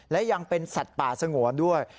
และยังเป็นสัตว์ป่าสงวนด้วย